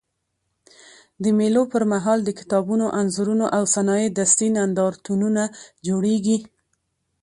د مېلو پر مهال د کتابونو، انځورونو او صنایع دستي نندارتونونه جوړېږي.